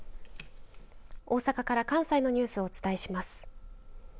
大阪から関西のニュースをお伝えします。